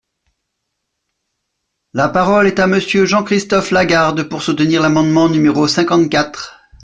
La parole est à Monsieur Jean-Christophe Lagarde, pour soutenir l’amendement numéro cinquante-quatre.